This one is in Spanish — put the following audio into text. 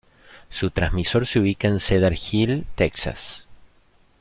Su transmisor se ubica en Cedar Hill, Texas.